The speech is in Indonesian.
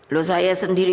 loh saya sendiri